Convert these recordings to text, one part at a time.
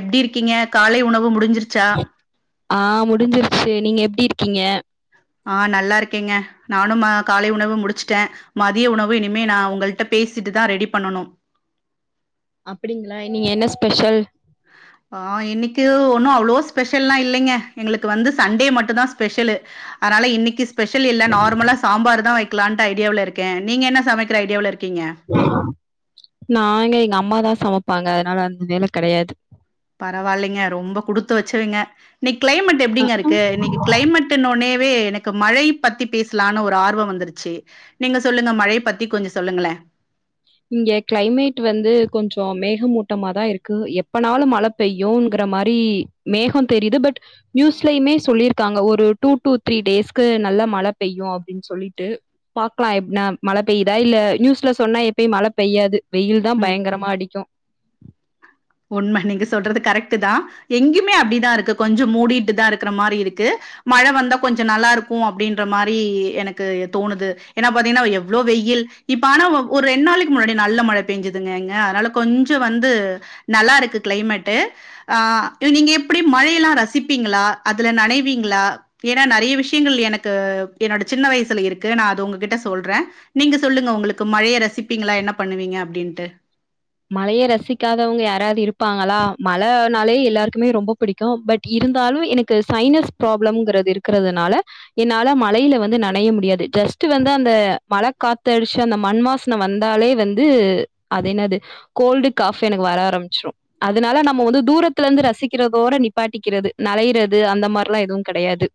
எப்டி இருக்கீங்க காலை உணவு முடுஞ்சுருச்சா ஆ முடுஞ்சுருச்சு நீங்க எப்டி இருக்கீங்க ஆ நல்லா இருக்கேங்க. நானும் காலை உணவு முடுச்சுட்ட மதிய உணவு இனிமே நா உங்கள்ட்ட பேசிட்டுதா ரெடி பண்ணனு அப்டிங்களா நீங்க என்ன ஸ்பெஷல் ஆ இன்னிக்கு ஒன்னு அவ்வளோ ஸ்பெஷல்லா இல்லைங்க எங்களுக்கு வந்து சண்டே மட்டுந்தா ஸ்பெஷலு அதனால இன்னிக்கு ஸ்பெஷல் இல்ல நார்மலா சாம்பார்தா வை க்லான்ட்டு ஐடியாவுல இருக்க நீங்க என்ன சமைக்கிற ஐடியாவுல இருக் நா எங்க எங்க அம்மாதா சமப் ப்பாங்க அதனால அந்த வேல கெடையாது நிக் கிளைமெட்டு அ எப்படிங்க ஆ இருக்கு இன்னிக்கு கிளைமெட்டுன்னொன்னே வே எனக்கு மழை பத்தி பேசலானு ஒரு ஆர்வம் வந்துருச்சு நீங்க சொல்லுங்க மழை பத்தி கொஞ்சோ சொல்லுங்களே இங்க கிளைமேட் வந்து கொஞ்சோ மேகமூட்டமாதா இருக்கு எப்பனாலும் மழ பெய்யும்ங்கற மாரி மேகோ தெரியுது பட் நியூஸ்லயுமே சொல்லிருக்காங்க ஒரு டூ டூ த்ரீ டேஸ்க்கு நல்ல மழ பெய்யு அப்டின் சொல்லிட்டு பாக்கலா எப்பனா மழ பெயதா இல்ல நியூஸ்ல சொன்ன எப் எப்பயும் மழ பெய்யாது வெயில்தா ம். பயங்கரமா அடிக்கு உண்ம நீங்க சொல்றது கரெக்ட்டுதா எங்கிமே அப்படிதா இருக்கு கொஞ்சோ மூடிட்டுதா இருக்குற மாரி இருக்கு மழ வந்தா கொஞ்சோ நல்லா இருக்கு அப்படின்ற மாரி எனக்கு தோணுது ஏன்னா பாத்தீங்கன்னா எவ்வளோ வெயில் இப்ப ஆனா ஒரு ரெண்டு நாளைக்கு முன்னாடி நல்ல மழ பெஞ்சுதுங்க எங்க அதனால கொஞ்சோ வந்து நல்லா இருக்கு கிளைமேட்டு ஆ நீங்க எப்படி மழையெல்லா ரசிப்பீங்களா அதுல நனைவீங்களா ஏனா நறைய விஷயங்கள் எனக்கு என்னோட சின்ன வயசுல இருக்கு நா அத உங்ககிட்ட சொல்ற நீங்க சொல்லுங்க உங்களுக்கு மழய ரசிப்பீங்களா என்ன பண்ணுவீங்க அப்படின்ட்டு மழய ரசிக்காதவங்க யாராவது இருப்பாங்களா மழனாலே எல்லாருக்குமே ரொம்போ புடிக்கு பட் இருந்தாலு எனக்கு சைனஸ் ப்ராப்ளம்ங்குறது இருக்குறதுனால என்னால மழையில வந்து நனைய முடியாது ஜஸ்ட் வந்து அந்த மழ காத்தடிச்சு அந்த மண் வாசன வந்தாலே வந்து அது என்னது கோல்டு காஃப் எனக்கு வர ஆரம்பிச்சுரு அதனால நம்ம வந்து தூரத்துல இருந்து ரசிக்கிறதோட நிப்பாட்டிக்கிறது நளையறது அந்த மாரிலா எதுவு கெடையாது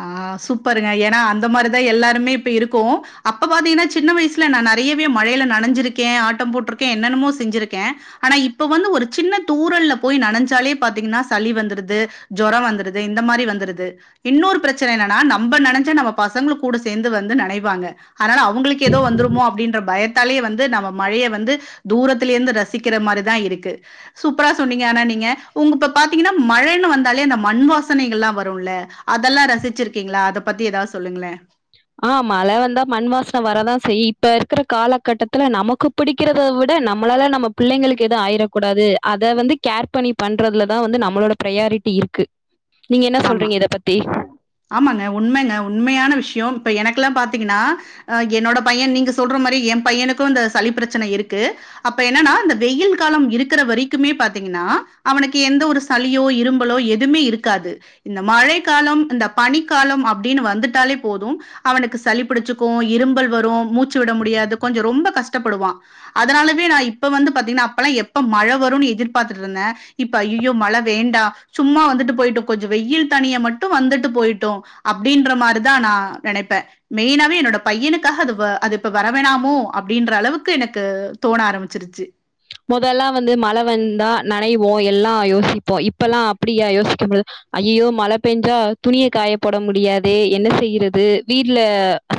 ஆ சூப்பருங்க ஏனா அந்த மாரிதா எல்லாருமே இப்ப இருக்கோ அப்ப பாத்தீங்கன்னா சின்ன வயசுல நா நறையவே மழயில நனைஞ்சிருக்கே ஆட்டம் போட்டிருக்கே என்னென்னுமோ செஞ்சிருக்கே ஆனா இப்ப வந்து ஒரு சின்ன தூரல்ல போய் நனைைஞ்சாலே பாத்தீங்கன்னா சளி வந்துருது ஜொரோ வந்துருது இந்த மாரி வந்துருது இன்னொரு பிரச்சன என்னன்னா நம்ம நனஞ்சா நம்ம பசங்களு கூட சேர்ந்து வந்து நனைவாங்க அதனால அவங்களுக்கு ஏதோ வந்துருமோ அப்டின்ற பயத் தாலியே வந்து நம்ம மழைய வந்து தூரத்துலயே இருந்து ரசிக்கிற மாரிதா இருக்கு சூப்பரா சொன்னீங்க ஆனா நீங்க உங்கப்பப் பாத்தீங்கனா மழைனு வாந்தாலே அந்த மண் வாசனைகளெல்லா வரும்ல அதல்லா ரசிச்சிருக்கீங்களா அத பத்தி ஏதாவது சொல்லுங்களே ஆ மழ வந்தா மண் வாசன வரதா செய்யு இப்ப இருக்குற காலகட்டத்துல நமக்கு புடிக்கிறத விட நம்மளால நம்ம புள்ளைங்களுக்கு எது ஆயிரக்கூடாது அத வந்து கேர் பண்ணி பண்றதுலதா வந்து நம்மளோட ப்ராயாரிட்டி இருக்கு நீங்க என்ன ஆமா சொல்றீங்க இத பத்தி ஆமாங்க உண்மங்க உண்மையான விஷயோ இப்ப எனக்கெல்லா பாத்தீங்கன்னா என்னோட பையன் நீங்க சொல்ற மாரி எம் பையனுக்கு இந்த சளி பிரச்சன இருக்கு அப்போ என்னன்னா இந்த வெயில் காலம் இருக்குற வரைக்குமே பாத்தீங்கன்னா அவனுக்கு எந்த ஒரு சளியோ இரும்பலோ எதுமே இருக்காது இந்த மழை காலோம் இந்த பனிக்காலோம் அப்டின்னு வந்துட்டாலே போது அவனுக்கு சளிபிடிச்சுக்கு இரும்பல் வரு மூச்சு விட முடியாது கொஞ்சோ ரொம்ப கஷ்டப்படுவா அதனாலவே நா இப்ப வந்து பாத்தீங்கன்னா அப்பல்லா எப்ப மழைன வரும்னு எதிர்பார்த்துட்டு இருந்த இப்ப ஐயையோ மழ வேண்டா சும்மா வந்துட்டு போயிட்டு கொஞ்சோ வெயில் தனிய மட்டு வந்துட்டு போயிட்டு அப்டின்ற மாரிதா நா நெனைப்ப மெய்யினாவே என்னோட பையனுக்காக அது அது இப்ப வரவேணாமோ அப்டின்ற அளவுக்கு எனக்கு தோண ஆரம்மிச்சிருச்சு மொதல்லா வந்து மழ வந்தா நனைவோ எல்லா யோசிப்போ இப்பல்லா அப்டியா யோசிக்கும் பொழுது ஐயையோ மழ பேஞ்சா துணிய காயப்போட முடியாதே என்ன செய்யறது வீட்ல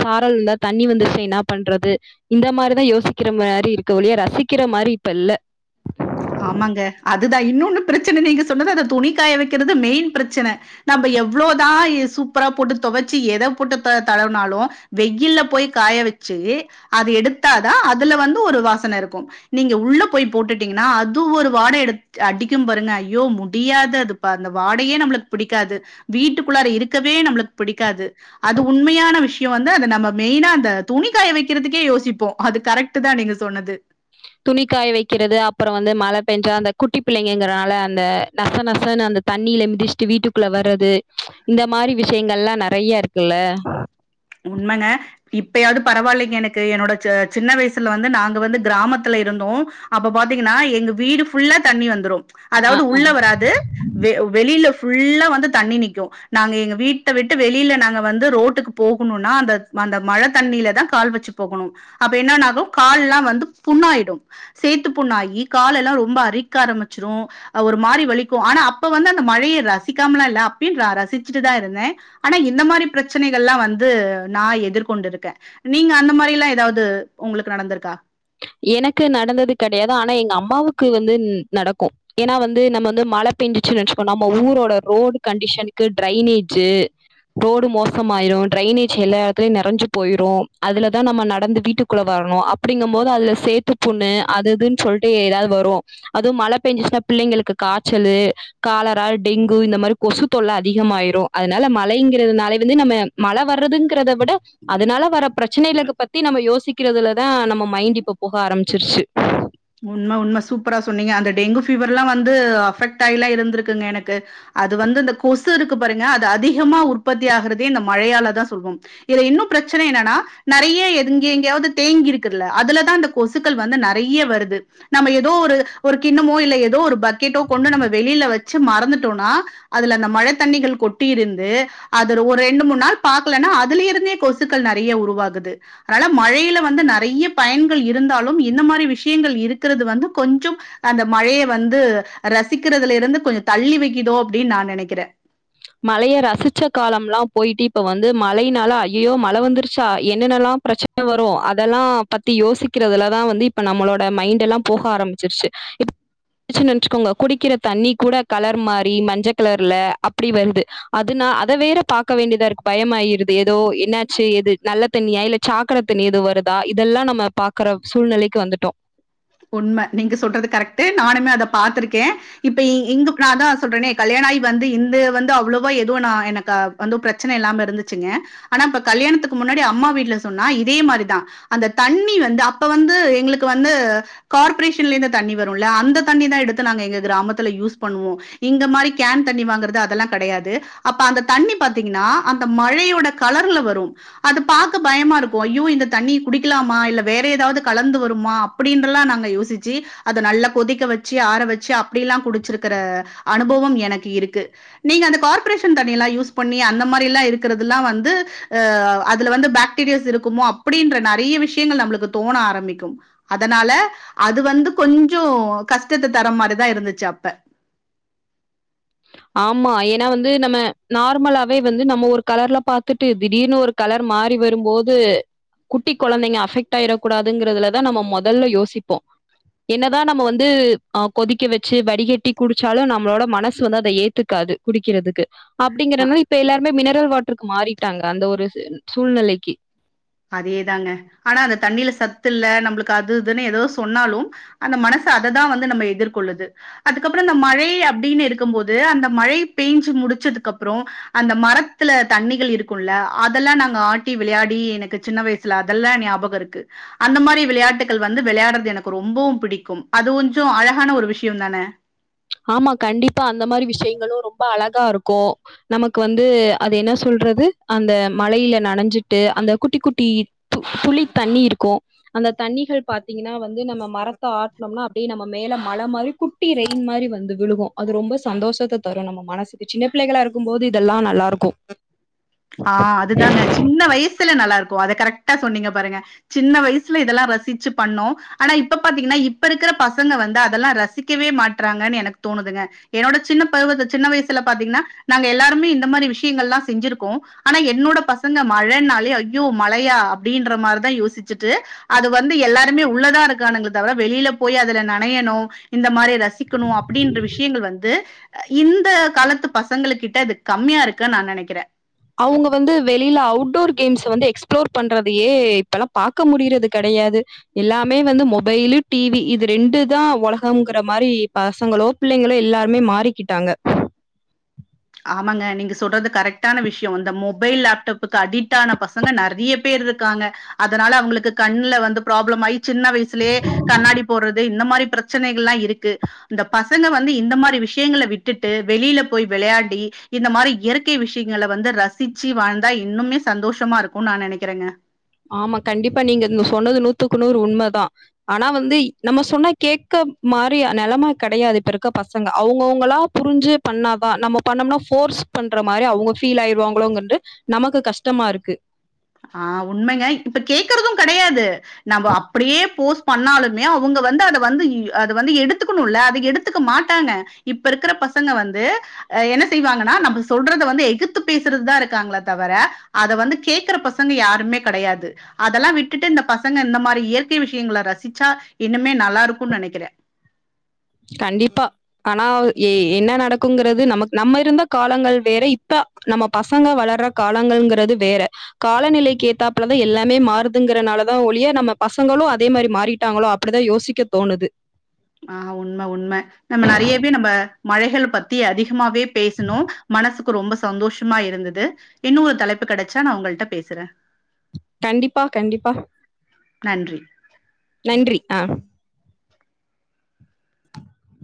சாரல் விழுந்தா தண்ணி வந்துருச்சே என்னா பண்றது இந்த மாரிதானன யோசிக்கிற மாரி இருக்கே ஒழிய ரசிக்கிற மாரி இப்ப இல்ல ஆமாங்க அதுதா இன்னொன்னு பிரச்சன நீங்க சொன்னது அந்த துணி காய வைக்கிறது மெயின் பிரச்சனைன நம்ம எவ்வளோதா சூப்பரா போட்டு தொவச்சு எத போட்டு தளவுனாலு வெயில போய் காய வச்சு அத எடுத்தாதா அதுல வந்து ஒரு வாசன இருக்கு நீங்க உள்ள போய் போட்டுட்டீங்கனா னா அது ஒரு வாடை எடுத் அடிக்கும் பாருங்க ஐயோ முடியாது அது ப்பா அந்த வாடையே நம்மளுக்கு புடிக்காது வீட்டுக்குள்ளார இருக்கவே நம்மளுக்கு புடிக்காது அது உண்மையான விஷயோ வந்து அத நம்ம மெயினா அந்த துணிக்காய வைக்கிறதுக்கே யோசிப்போ அது கரெக்ட்டுதா நீங்க சொன்னது துணிகாய வைக்கிறது அப்புறோ வந்து மழ பேஞ்சா அந்த குட்டி பிள்ளைங்கங்கிறனால அந்த நச நசன்னு அந்த தண்ணியில மிதிச்சிட்டு வீட்டுக்குள்ள வர்றது இந்த மாரி விஷயங்களெல்லா நறைய இருக்குல்ல உண்மங்க இப்பயாவது பரவால்லைங்க எனக்கு என்னோட சின்ன வயசுல வந்து நாங்க வந்து கிராமத்துல இருந்தோ அப்ப பாத்தீங்கன்னா எங்க வீடு ஃபுல்லா தண்ணி வந்துரும் ஆ அதாவது ஆ உள்ள வராது வெ வெளியில ஃபுல்லா வந்து தண்ணி நிக்கு நாங்க எங்க வீட்ட விட்டு வெளியில நாங்க வந்து ரோட்டுக்கு போகணுன்னா அந்த அந்த மழ தண்ணியிலதா கால் வச்சு போகணு அப்ப என்னன்னாகு கால்லா வந்து புண்ணாயிடு சேத்து புண்ணாகி கால் எல்லா ரொம்ப அரிக்க ஆரம்பிச்சிரு அ ஒரு மாரி வலிக்கு ஆனா அப்ப வந்து அந்த மழைய ரசிக்காமலா இல்ல அப்பயு ர ரசிச்சுட்டுதா இருந்தே ஆனா இந்த மாரி பிரச்சனை கள்லா வந்து நா எதிர்கொண்டிருக்கே நீங்க அந்த மாரிலா ஏதாவது உங்களுக்கு நடந்திருக்கா? எனக்கு நடந்தது கெடையாது. ஆனா எங்க அம்மாவுக்கு வந்து ன் நடக்கு. ஏன்னா வந்து நம்ம வந்து மழ பேஞ்சுச்சுன்னு நெனச்சுக்கோ நம்ம ஊரோட ரோடு கண்டிஷனுக்கு டிரைனேஜு ரோடு மோசோமாயிரு டிரைனேஜ் எல்லாத்துலயு நெரஞ்சு போயிரு அதுலதா நம்ம நடந்து வீட்டுக்குள்ள வரணு அப்டிங்கம் போது அதுல சேத்து புண்ணு அதுதுன்னு சொல்ட்டு ஏதாது வரு அதும் மழை பேஞ்சுச்சுன்னா பிள்ளைங்களுக்கு காச்சலு காலரா டெங்கு இந்த மாரி கொசு தொல்ல அதிகமாயிரு அதனால மழைங்கிறதுனால வந்து நம்ம மழ வர்றதுங்கறத விட அதனால வர பிரச்சனைகளுங்க பத்தி நம்ம யோசி க்கிறதுலதா நம்ம மைண்ட் இப்ப போக ஆரம்பிச்சிருச்சு. உண்ம உண்ம சூப்பரா சொன்னீங்க அந்த டெங்கு ஃபீவர் எல்லா வந்து அஃபெக்ட் ஆயிலா இருந்திருக்குங்க எனக்கு அது வந்து இந்த கொசு இருக்கு பாருங்க அது அதிகமா உற்பத்தி ஆகுறதே இந்த மழையாலதா சொல்வோம் இதுல இன்னு பிரச்சன என்னென்னா நெறைய எங்க எங்கேயாவது தேங்கி இருக்குல அதுலதா இந்த கொசுக்கள் வந்து நெறைய வரு து நம்ம ஏதோ ஒரு ஒரு கிண்ணமோ இல்ல ஏதோ ஒரு பக்கெட்டோ கொண்டு நம்ம வெளியில வச்சு மறந்துட்டோன்னா அதுல அந்த மழ தண்ணிகள் கொட்டி இருந்து அது ஒரு ரெண்டு மூணு நாள் பாக்கலனா அதுல இருந்தே கொசுக்கள் நெறைய உருவாகுது அதனால மழையில வந்து நெறைய பயன்கள் இருந்தாலு இந்த மாரி விஷி யங்கள் இருக்கிறது வந்து கொஞ்சோ அந்த மழய வந்து ரசிக்கிறதுல இருந்து கொஞ்சோ தள்ளி வைக்குதோ அப்டின்னு நா நெனைக்கிறே. மழைய ரசிச்ச காலம்லா போயிட்டு இப்ப வந்து மழையினால ஐயயோ மழ வந்துருச்சா என்னென்னலா பிரச்சன வரு அதெல்லா பத்தி யோசிக்கிறதுலதா வந்து இப்ப நம்மளோட மைண்ட் எல்லா போக ஆரம்பிச்சிருச்சு இப் [unintelligible] நெனச்சுக்கோங்க குடிக்கிற தண்ணி கூட கலர் மாறி மஞ்ச கலர்ல அப் அப்டி வருது அதுனா அத வேற பாக்க வேண்டியதா இருக்கு பயம் ஆயிருது ஏதோ என்னாச்சு எது நல்ல தண்ணியா இல்ல சாக்கட தண்ணி எது வருதா இதெல்லா நம்ம பாக்கற சூழ்நிலைக்கு வந்துட்டோ உண்ம நீங்க சொல்றது கரெக்ட்டு நானுமே அத பாத்திருக்கே இப்ப இ இங்கு நான்தா சொல்றனே கல்யாண ஆயி வந்து இந்த வந்து அவ்ளோவா எதுவு நா எனக்கு வந்து பிரச்சன இல்லாம இருந்துச்சுங்க ஆனா இப்ப கல்யாணத்துக்கு முன்னாடி அம்மா வீட்ல சொன்னா இதே மாரிதா அந்த தண்ணி வந்து அப்ப வந்து எங்களுக்கு வந்து கார்ப்பரேஷன்ல இருந்து தண்ணி வரும்ல அந்த தண்ணிதா எடுத்து நாங்க எங்க கிராமத்துல யூஸ் பண்ணுவோ இங்க மாரி கேன் தண்ணி வாங்கறது அதெல்லா கெடையாது அப்ப அந்த தண்ணி பாத்தீங்கன்னா அந்த மழையோட கலர்ல வரு அது பாக்க பயமா இருக்கு ஐயோ இந்த தண்ணி குடிக்கலாமா இல்ல வேற ஏதாவது கலந்து வருமா அப்டின்ட்டல்லா நாங் க யோசிச்சி அத நல்லா கொதிக்க வச்சு ஆற வச்சு அப்டியெல்லா குடிச்சிருக்கிற அனுபவம் எனக்கு இருக்கு நீங்க அந்த கார்ப்பரேஷன் தண்ணியல்லா யூஸ் பண்ணி அந்த மாரிலா இருக்குறதுல்லா வந்து ஆ அதுல வந்து பாக்டீரியாஸ் இருக்குமோ அப்டின்ற நெறைய விஷயங்கள் நம்மளுக்கு தோண ஆரம்பிக்கு அதனால அது வந்து கொஞ்சோ கஷ்டத்த தர மாரிதா இருந்துச்சு அப்ப ஆமா ஏன்னா வந்து நம்ம நார்மலாவே வந்து நம்ம ஒரு கலர்ல பாத்துட்டு திடீர்னு ஒரு கலர் மாறி வரும்போது குட்டி கொழந்தைங்க அஃபெக்ட் ஆயிறக் கூடாதுங்கறதுலதா நம்ம மொதல்ல யோசிப்போ என்னதா நம்ம வந்து ஆ கொதிக்க வச்சு வடிகட்டி குடிச்சாலு நம்மளோட மனசு வந்து அத ஏத்துக்காது குடிக்கிறதுக்கு அப்டிங்கிறனால இப்ப எல்லாருமே மினரல் வாட் டர்க்கு மாறிட்டாங்க அந்த ஒரு செ சூழ்நிலைக்கி அதேதாங்க ஆனா அந்த தண்ணியில சத்து இல்ல நம்மளுக்கு அது இதுன்னு ஏதோ சொன்னாலு அந்த மனசு அததா வந்து நம்ம எதிர்கொள்ளுது அதுக்கப்புற இந்த மழை அப்டின்னு இருக்கும்போது அந்த மழை பேஞ்சு முடிச்சதுக்கு அப்றோ அந்த மரத்துல தண்ணிகள் இருக்கும்ல அதெல்லா நாங்க ஆட்டி விளையாடி எனக் கு சின்ன வயசுல அதெல்லா ஞாபகோ இருக்கு அந்த மாரி விளையாட்டுகள் வந்து விளையாடுறது எனக்கு ரொம்பவும் பிடிக்கும் அது கொஞ்சோ அழகான ஒரு விஷயம்தான? ஆமா கண்டிப்பா அந்த மாரி விஷய ங்களு ரொம்ப அழகா இருக்கு நமக்கு வந்து அது என்ன சொல்றது அந்த மழையில நனைஞ்சிட்டு அந்த குட்டி குட்டி து துளி தண்ணி இருக்கு அந்த தண்ணிகள் பாத்தீங்கன்னா வந்து நம்ம மரத்த ஆட்னோன்னா அப்டியே நம்ம மேல மழ மாரி குட்டி ரெயின் மாரி வ ந்து விழுகு அது ரொம்ப சந்தோஷத்த தரு நம்ம மனசுக்கு சின்ன பிள்ளைகளா இருக்கும் போது இதெல்லா நல்லா இருக்கு ஆ அதுதாங்க சின்ன வயசுல நல்லாருக் கு அத கரெக்ட்டா சொன்னீங்க பாருங்க சின்ன வயசுல இதெல்லா ரசிச்சு பண்ணோ ஆனா இப்ப பாத்தீங்கனா இப்ப இருக்குற பசங்க வந்து அதெல்லா ரசிக்கவே மாட்றாங்கன்னு எனக்கு தோணுதுங்க என்னோட சின்ன பருவத்துல சின்ன வயசுல பாத்தீங்கனா நாங்க எல்லாருமே இந்த மாரி விஷயங்கல்லா செஞ்சிருக் கோ ஆனா என்னோட பசங்க மழனாலே ஐயோ மழயா அப்டின்ற மாரிதா யோசிச்சுட்டு அது வந்து எல்லாருமே உள்ளதா இருக்கானுங்களே தவிர வெளில போய் அதுல நனையணு இந்த மாரி ர சிக்கனு அப்டின்ற விஷயங்கள் வந்து அ இந்த காலத்து பசங்களுகிட்ட அது கம்மியா இருக்குன்னு நா நெனைக்கிறே. அவங்க வந்து வெளில அவுட்டோர் கேம்ஸ் வந்து எக்ஸ்ப்ளோர் பண்றதையே இப்பெல்லா பாக்க முடியறது கெடையாது. எல்லாமே வந்து மொபைலு டிவி இது ரெண்டுதா ஒலகங்கிற மாரி பசங்களோ பிள்ளைகளோ எல்லாருமே மாறிக்கிட்டாங்க. ஆமாங்க நீங்க சொல்றது கரெக்டான விஷியோ அந்த மொபைல் லாப்டாப்புக்கு அடிக்ட் ஆன பசங்க நெறைய பேர் இருக்காங்க அதனால அவுங்களுக்கு கண்ணுல வந்து பிராப்ளம் ஆயி சின்ன வயசுலயே கண்ணாடி போடுறது இந்த மாரி பிரச்சனைகள்லா இருக்கு இந்த பசங்க வந்து இந்த மாரி விஷயங்கள விட்டுட்டு வெளில போய் விளையா டி இந்த மாரி இயற்கை விஷயங்கள வந்து ரசிச்சு வாழ்ந்தா இன்னுமே சந்தோஷமா இருக்குன்னு நா நெனைக்கிறேங்க. ஆமா கண்டிப்பா நீங்க ஒன்னு சொன்னது நூத்துக்கு நூறு உண்மதா ஆனா வந்து நம்ம சொன்னா கேக்க மாரி நெலம கெடையாது இப்ப இருக்க பசங்க அவங்கவுங்களா புரிஞ்சு பண்ணாதா நம்ம பண்ணோம்னா ஃபோர்ஸ் பண்ற மாரி அவுங்க ஃபீல் ஆயிருவாங்களோங்கண்டு நமக்கு கஷ்டமா இருக்கு. ஆ உண்மைங்க இப்ப கேக்குறதும் கெடையாது நம்ப அப்படியே ஃபோர்ஸ் பண்ணாலுமே அவுங்க வந்து அத வந்து அத வந்து எடுத்துக்கணுல்ல அத எடுத்துக்க மாட்டாங்க இப்ப இருக்குற பசங்க வந்து அ என்ன செய்வாங்கன்னா நம்ம சொல்றத வந்து எகுத்து பேசுறதுதா இருக்காங்களே தவர அத வந்து கேக்குற பச ங்க யாருமே கெடையாது அதெல்லா விட்டுட்டு இந்த பசங்க இந்த மாரி இயற்கை விஷியங்கள ரசிச்சா இன்னுமே நல்லா இருக்குன்னு நெனைக்கிறே. கண்டிப்பா ஆனா எ என்ன நடக்குங்கிறது நமக் நம்ம இருந்த காலங்கள் வேற இப்ப நம்ம பசங்க வளர்ற காலங்கள்ங்குறது வேற காலநிலைக்கு ஏத்தாப்புலதா எல்லாமே மாறுதுங்கறனாலதா ஒழிய நம்ம பசங்களு அதே மாரி மாறிட்டாங்களோ அப்படிதா யோசிக்க தோணுது ஆ உண்ம உண்ம நம்ம நெறையாவே நம்ம மழைகள் பத்தி அதி கமாவே பேசுனோ மனசு ரொம்ப சந்தோஷமா இருந்தது இன்னொரு தலைப்பு கடைச்சா நா உங்கள்ட்ட பேசுறேன் கண்டிப்பா கண்டிப்பா நன்றி நன்றி ஆ